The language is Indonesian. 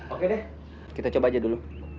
oke deh kita coba aja dulu